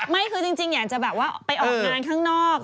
ไม่คือจริงอยากจะแบบว่าไปออกงานข้างนอก